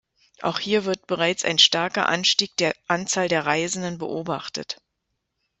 Auch hier wird bereits ein starker Anstieg der Anzahl der Reisenden beobachtet.